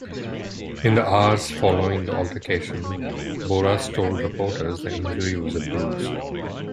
In the hours following the altercation Boras told reporters the injury was a bruise.